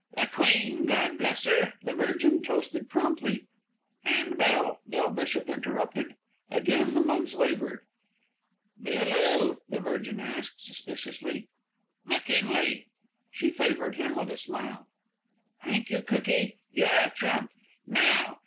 "The Queen, Gawd bless 'er!" the Virgin toasted promptly. "And Bill!" Del Bishop interrupted. Again the mugs wavered. "Bill 'oo?" the Virgin asked, suspiciously. "McKinley." She favored him with a smile. "Thank you, cookie, you're a trump. Now!